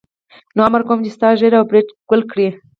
نو امر کوم چې ستا ږیره او برېت کل کړي.